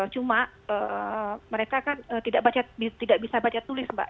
cuma mereka kan tidak bisa baca tulis mbak